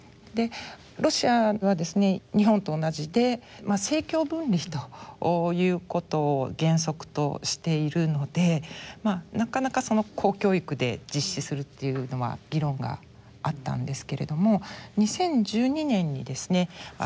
ロシアはですね日本と同じで政教分離ということを原則としているのでなかなか公教育で実施するっていうのは議論があったんですけれども２０１２年にですね